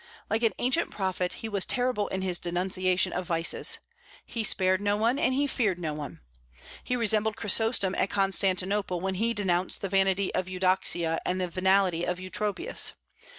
Like an ancient prophet, he was terrible in his denunciation of vices. He spared no one, and he feared no one. He resembled Chrysostom at Constantinople, when he denounced the vanity of Eudoxia and the venality of Eutropius.